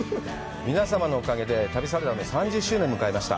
皆様のおかげで旅サラダは３０年を迎えました。